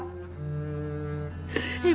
ibu hanya kepengen deket deket anak ibu